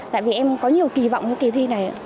tại vì em có nhiều kỳ vọng cho kỳ thi này